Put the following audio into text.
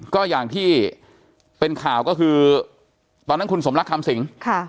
ก็อย่างที่เป็นข่าวก็คือตอนนั้นคุณสมรักคำสิง